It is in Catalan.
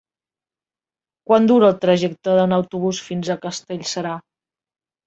Quant dura el trajecte en autobús fins a Castellserà?